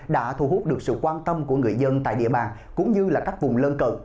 đã thu hút được sự quan tâm của người dân tại địa bàn cũng như các vùng lân cận